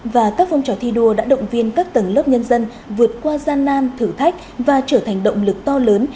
và các phong trào thi đua đã động viên các tầng lớp nhân dân vượt qua gian nan thử thách và trở thành động lực to lớn